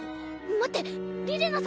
待ってリレナ様